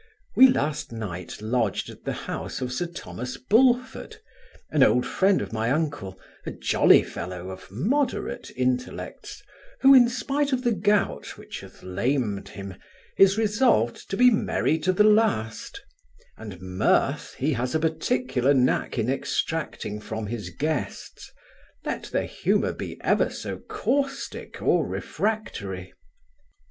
We last night lodged at the house of Sir Thomas Bullford, an old friend of my uncle, a jolly fellow, of moderate intellects, who, in spite of the gout, which hath lamed him, is resolved to be merry to the last; and mirth he has a particular knack in extracting from his guests, let their humour be ever so caustic or refractory.